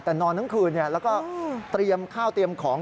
แต่นอนทั้งคืนแล้วก็เตรียมข้าวเตรียมของ